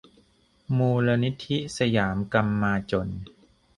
มูลนิธิสยามกัมมาจล